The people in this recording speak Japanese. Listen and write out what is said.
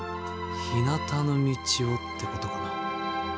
「ひなたの道を」ってことかな。